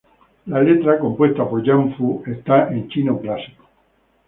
La letra compuesta por Yan Fu está en Chino Clásico.